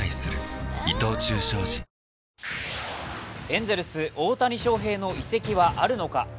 エンゼルス、大谷翔平の移籍はあるのか。